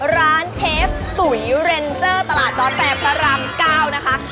ร้านเชฟตุ๋ยเรนเจอร์ตลาดจอร์ดแฟนพระรำเก้านะคะ